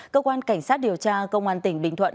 cơ quan cảnh sát điều tra công an tỉnh bình thuận